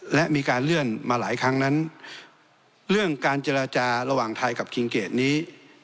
และมีการเลื่อนมาหลายครั้งนั้นเรื่องการเจรจาระหว่างไทยกับคิงเกดนี้